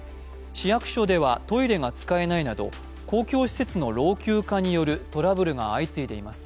市役所ではトイレが使えないなど公共施設の老朽化によるトラブルが相次いでいます。